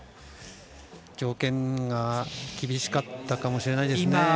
条件が厳しかったかもしれないですね。